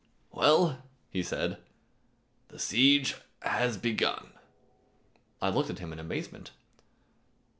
"Well," he said, "the siege has begun." I looked at him in amazement.